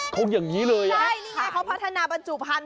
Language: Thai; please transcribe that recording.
เขาอย่างนี้เลยอ่ะใช่นี่เขาพัฒนาบรรจุพันธุ